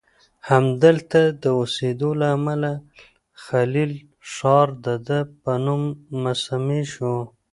همدلته د اوسیدو له امله الخلیل ښار دده په نوم مسمی شو.